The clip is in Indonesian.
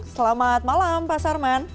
selamat malam pak sarman